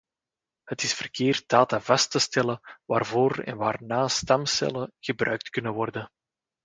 Het is verkeerd data vast te stellen waarvoor en waarna stamcellen gebruikt kunnen worden.